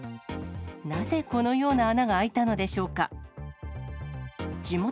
なぜこのような穴が開いたのでしょうか。